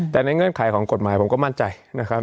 แต่ในเงื่อนไขของกฎหมายผมก็มั่นใจนะครับ